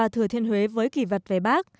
thừa thiên huế với kỷ vật về bắc